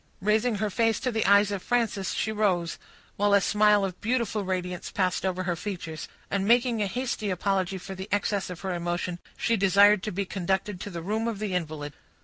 Raising her face to the eyes of Frances, she rose, while a smile of beautiful radiance passed over her features; and making a hasty apology for the excess of her emotion, she desired to be conducted to the room of the invalid.